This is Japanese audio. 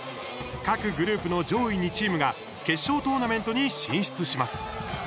各グループの上位２チームが決勝トーナメントに進出します。